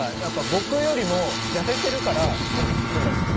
僕よりも痩せているからコンビを組んだんですよ